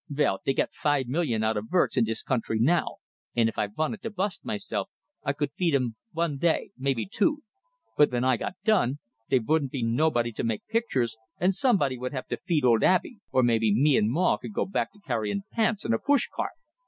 "Vell, dey got five million out o' verks in this country now, and if I vanted to bust myself, I could feed 'em vun day, maybe two. But ven I got done, dey vouldn't be nobody to make pictures, and somebody vould have to feed old Abey or maybe me and Maw could go back to carryin' pants in a push cart!